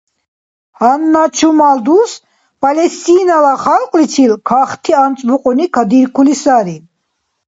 Гьанна чумал дус Палестинала халкьличил кахти анцӀбукьуни кадиркули сари.